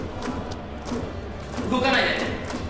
動かないで！